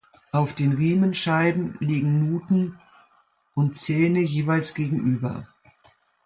Auf den Riemenscheiben liegen „Nuten“ und „Zähne“ jeweils gegenüber.